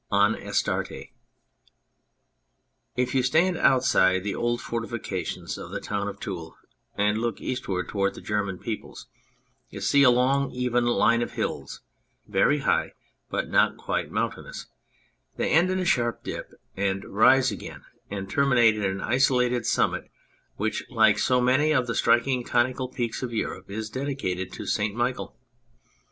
166 ASTARTE IF you stand outside the old fortifications of the town of Toul and look eastward toward the German peoples, you see a long even line of hills, very high but not quite mountainous ; they end in a sharp dip, and rise again, and terminate in an isolated summit which, like so many of the striking conical peaks of Europe, is dedicated to St. Michael.